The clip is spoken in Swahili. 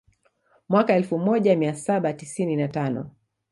Mwaka wa elfu moja mia saba tisini na tano